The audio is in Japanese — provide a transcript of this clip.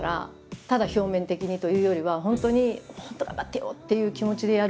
ただ表面的にというよりは本当に「本当頑張ってよ！」っていう気持ちでやる。